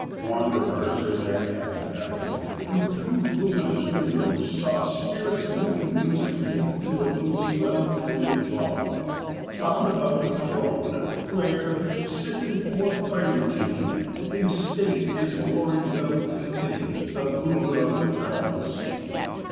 Wanderers in that happy valley, Through two luminous windows, saw Spirits moving musically, To a lute's well tunëd law, Bound about a throne where, sitting (Porphyrogene!) In state his glory well befitting, The ruler of the realm was seen.